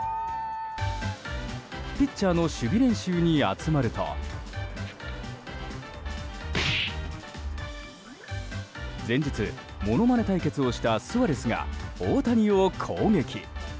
ピッチャーの守備練習に集まると前日、ものまね対決をしたスアレスが大谷を攻撃。